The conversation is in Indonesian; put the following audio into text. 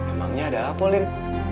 emangnya ada apa lin